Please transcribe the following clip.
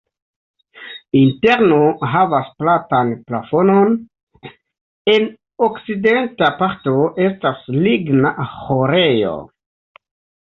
Interno havas platan plafonon, en okcidenta parto estas ligna ĥorejo.